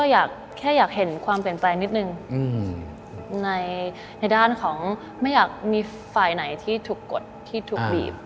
อยากแค่อยากเห็นความเปลี่ยนแปลงนิดนึงในด้านของไม่อยากมีฝ่ายไหนที่ถูกกดที่ถูกบีบ